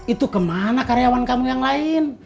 itu kemana karyawan kamu yang lain